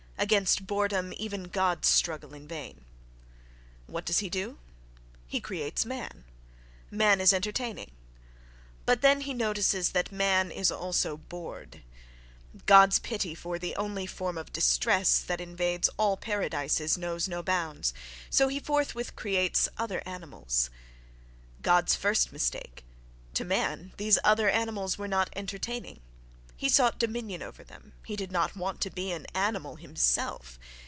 Against boredom even gods struggle in vain. What does he do? He creates man—man is entertaining.... But then he notices that man is also bored. God's pity for the only form of distress that invades all paradises knows no bounds: so he forthwith creates other animals. God's first mistake: to man these other animals were not entertaining—he sought dominion over them; he did not want to be an "animal" himself.